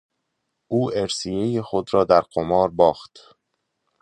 او ارثیهی خود را در قمار باخت.